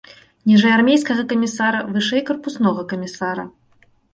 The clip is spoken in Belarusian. Ніжэй армейскага камісара, вышэй карпуснога камісара.